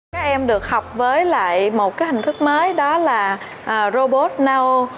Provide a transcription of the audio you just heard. các em được học với lại một hình thức mới đó là robot noel